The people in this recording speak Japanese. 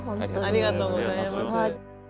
ありがとうございます。